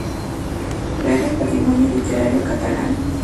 Red del Patrimonio Literario Catalán.